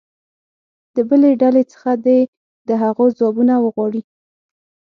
د بلې ډلې څخه دې د هغو ځوابونه وغواړي.